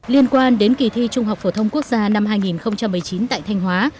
liên quan đến kỳ thi trung học phổ thông quốc gia năm hai nghìn một mươi chín tại thanh hóa